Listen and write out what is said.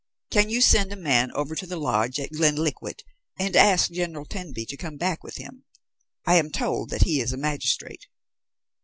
Can you send a man over to the lodge at Glenkliquart, and ask General Tenby to come back with him. I am told that he is a magistrate."